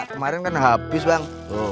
kemarin kan habis bang